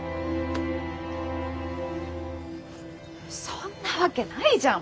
そんなわけないじゃん！